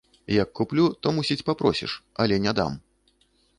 Як куплю, то, мусіць, папросіш, але не дам.